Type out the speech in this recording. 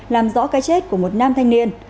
làm rõ cái chết của một nam thanh niên